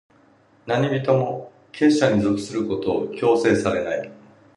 何人も、結社に属することを強制されない。